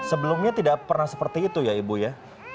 sebelumnya tidak pernah seperti itu ya ibu ya